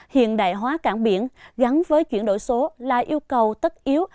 hiện đại hóa cảng biển gắn với chuyển đổi số là yêu cầu tất yếu